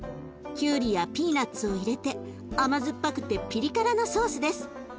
きゅうりやピーナツを入れて甘酸っぱくてピリ辛なソースです。